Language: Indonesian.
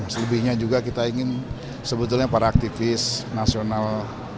selebihnya juga kita ingin sebetulnya para aktivis nasional